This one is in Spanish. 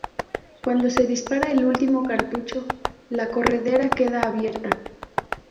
Cuando se dispara el último cartucho, la corredera queda abierta.